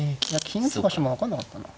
金打つ場所も分かんなかったな。